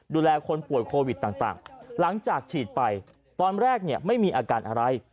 ดูแลคนป่วยโควิดต่างหลังจากฉีดไปตอนแรกเนี่ยไม่มีอาการอะไร